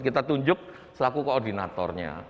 kita tunjuk selaku koordinatornya